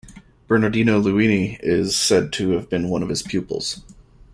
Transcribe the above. Bernardino Luini is said to have been one of his pupils.